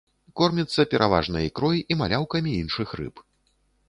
Корміцца пераважна ікрой і маляўкамі іншых рыб.